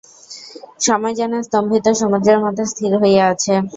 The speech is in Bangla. সময় যেন স্তম্ভিত সমুদ্রের মতো স্থির হইয়া আছে।